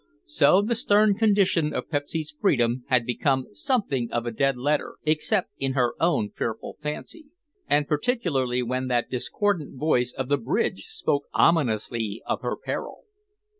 So the stern condition of Pepsy's freedom had become something of a dead letter, except in her own fearful fancy, and particularly when that discordant voice of the bridge spoke ominously of her peril.